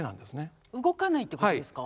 動かないってことですか？